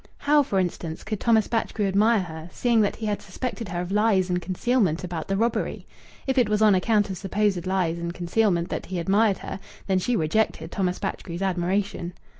How, for instance, could Thomas Batchgrew admire her, seeing that he had suspected her of lies and concealment about the robbery? If it was on account of supposed lies and concealment that he admired her, then she rejected Thomas Batchgrew's admiration....